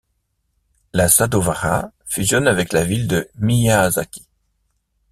Le Sadowara fusionne avec la ville de Miyazaki.